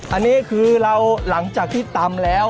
อันนี้คือเราหลังจากที่ตำแล้ว